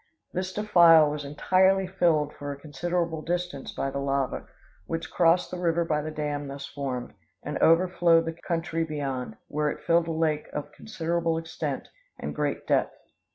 This defile was entirely filled for a considerable distance by the lava, which crossed the river by the dam thus formed, and overflowed the country beyond, where it filled a lake of considerable extent, and great depth.